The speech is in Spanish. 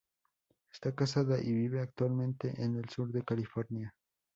Está casada y vive actualmente en el sur de California.